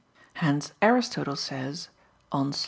Hence Aristotle says (De Somn.